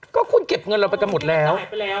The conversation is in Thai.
ก็คุณเก็บเงินเราไปกันหมดแล้ว